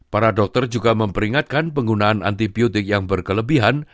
para dokter juga memperingatkan penggunaan antibiotik yang berkelebihan